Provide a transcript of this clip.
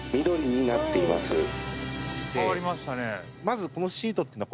まずこのシートっていうのは。